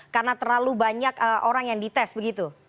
karena terlalu banyak orang yang dites begitu